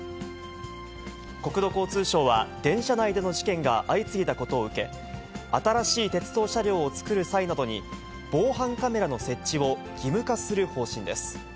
国土交通省は、電車内での事件が相次いだことを受け、新しい鉄道車両を造る際などに防犯カメラの設置を義務化する方針です。